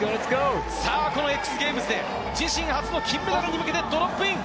このＸＧａｍｅｓで自身初の金メダルに向けてドロップイン。